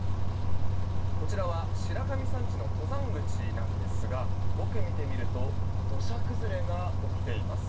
こちらは白神山地の登山口なんですが奥を見てみると土砂崩れが起きています。